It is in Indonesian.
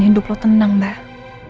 hidup lo tenang mbak